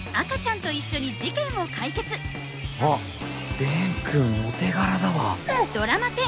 あっ蓮くんお手柄だわ。